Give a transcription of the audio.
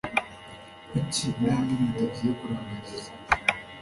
Kuki mwembi mutagiye kurambagiza?